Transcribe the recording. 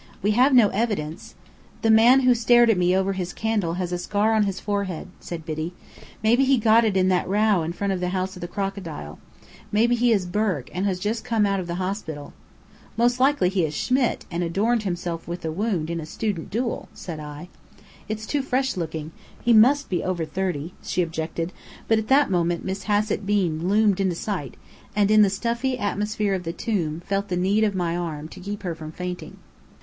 We have no evidence " "The man who stared at me over his candle has a scar on his forehead," said Biddy. "Maybe he got it in that row in front of the House of the Crocodile. Maybe he is Burke, and has just come out of the hospital." "Most likely he is Schmidt, and adorned himself with the wound in a student duel," said I. "It's too fresh looking. He must be over thirty," she objected, but at that moment Miss Hassett Bean loomed into sight; and in the stuffy atmosphere of the tomb felt the need of my arm to keep her from fainting.